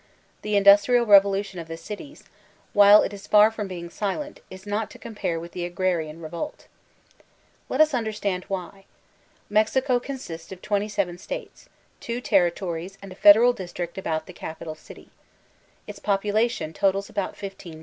The indna* trial revolution of the cities, while it is far from being silent, is not to compare with the agrarian revolt Let us understand why. Mexico consbts of twenty* seven states, two territories and a federal district about the capital city. Its popubtion totals about 15,000,000.